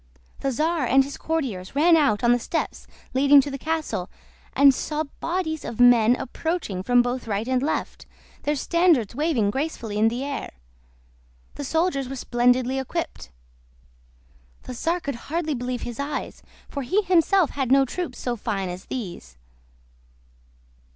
The czar and his courtiers ran out on the steps leading to the castle, and saw bodies of men approaching from both right and left, their standards waving gracefully in the air; the soldiers were splendidly equipped. The czar could hardly believe his eyes, for he himself had no troops so fine as these.